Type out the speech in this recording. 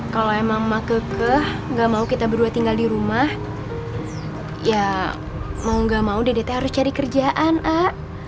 kalau emak emak kekeh gak mau kita berdua tinggal di rumah ya mau gak mau dede tee harus cari kerjaan ah